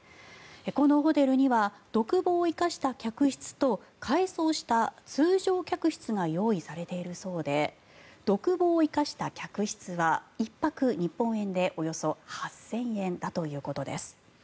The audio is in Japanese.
このホテルには独房を生かした客室と改装した通常客室が用意されているそうで独房を生かした客室は１泊日本円でおよそ８０００円だということです。